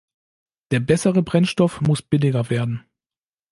Der bessere Brennstoff muss billiger werden.